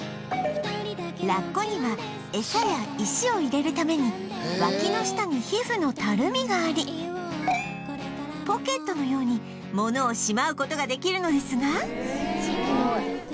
ラッコには餌や石を入れるためにわきの下に皮膚のたるみがありポケットのように物をしまう事ができるのですが